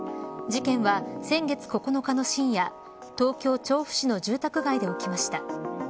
事件は、先月９日の深夜東京、調布市の住宅街で起きました。